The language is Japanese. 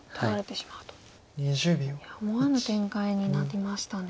いや思わぬ展開になりましたね。